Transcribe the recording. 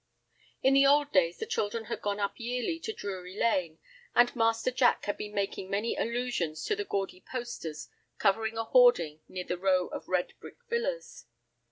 In the old days the children had gone up yearly to Drury Lane, and Master Jack had been making many allusions to the gaudy "posters" covering a hoarding near the row of red brick villas.